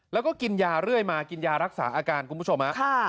แล้วก็กินยาเรื่อยมากินยารักษาอาการคุณผู้ชมฮะ